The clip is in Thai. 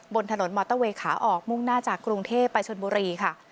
บนถนนมอเตอร์เวย์ขาออกมุ่งหน้าจากกรุงเทพไปชนบุรีค่ะ